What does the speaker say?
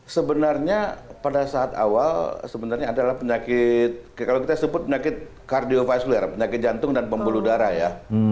sebenarnya pada saat awal sebenarnya adalah penyakit kalau kita sebut penyakit kardiofasuler penyakit jantung dan pembuluh darah ya